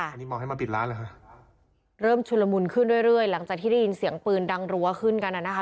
อันนี้มองให้มาปิดร้านเหรอฮะเริ่มชุนละมุนขึ้นเรื่อยเรื่อยหลังจากที่ได้ยินเสียงปืนดังรั้วขึ้นกันอ่ะนะคะ